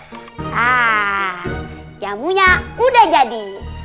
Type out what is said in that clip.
hah jamunya udah jadi